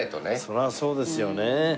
それはそうですよね。